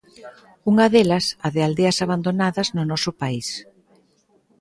Unha delas, a de aldeas abandonadas no noso país.